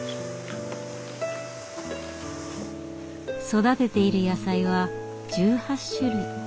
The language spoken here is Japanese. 育てている野菜は１８種類。